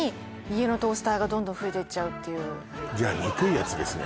じゃあ憎いやつですね？